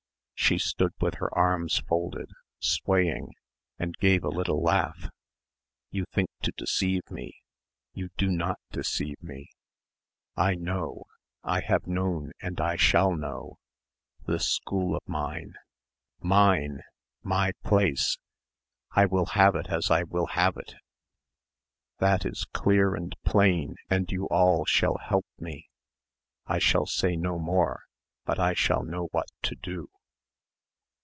She stood with her arms folded, swaying, and gave a little laugh. "You think to deceive me. You do not deceive me. I know. I have known and I shall know. This school is mine. Mine! My place! I will have it as I will have it. That is clear and plain, and you all shall help me. I shall say no more. But I shall know what to do."